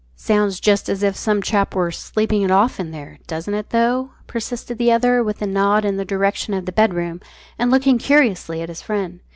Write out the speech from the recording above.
"Sounds just as if some chap were 'sleeping it off' in there, doesn't it, though?" persisted the other, with a nod in the direction of the bedroom, and looking curiously at his friend.